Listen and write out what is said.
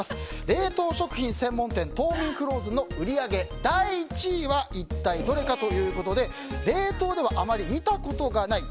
冷凍食品専門店ＴＯＭＩＮＦＲＯＺＥＮの売り上げ第１位は一体どれかということで冷凍ではあまり見たことがない。